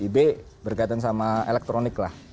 ib berkaitan sama elektronik lah